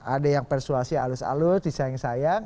ada yang persuasi alus alus disayang sayang